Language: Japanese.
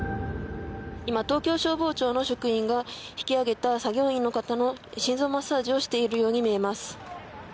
今、東京消防庁の職員が引き上げた作業員の方の心臓マッサージをしているように見えます。